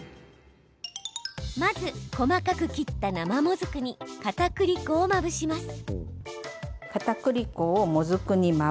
まず細かく切った生もずくにかたくり粉をまぶします。